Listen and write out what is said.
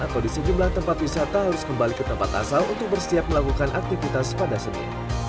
atau di sejumlah tempat wisata harus kembali ke tempat asal untuk bersiap melakukan aktivitas pada senin